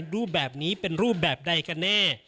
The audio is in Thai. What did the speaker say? รูปแบบนี้เป็นรูปแบบใดกันแน่